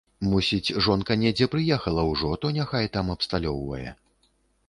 Мусіць, жонка недзе прыехала ўжо, то няхай там абсталёўвае.